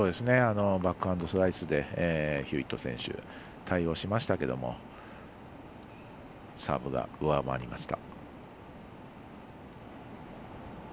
バックハンドスライスでヒューウェット選手対応しましたけどサーブが上回りました。